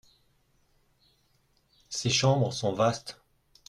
Ses chambres sont vastes.